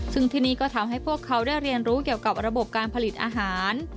ซึ่งที่นี่ก็ทำให้พวกเขาได้เรียนรู้เกี่ยวกับระบบการผลิตอาหาร